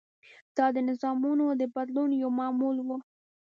دا د نظامونو د بدلون یو معمول و.